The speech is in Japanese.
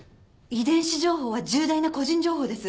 遺伝子情報は重大な個人情報です。